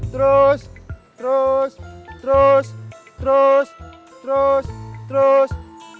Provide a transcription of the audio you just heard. terus terus terus terus terus terus